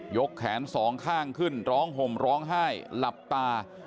กแขนสองข้างขึ้นร้องห่มร้องไห้หลับตา